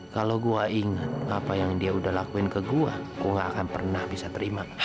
kalau gue inget apa yang dia udah lakuin ke gua aku gak akan pernah bisa terima